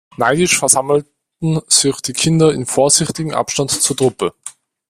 Neidisch versammelten sich Kinder in vorsichtigem Abstand zur Truppe.